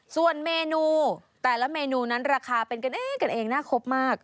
ส่วนเมนูแต่ละเมนูนั้นราคาเป็นกันเองกันเองน่าครบมาก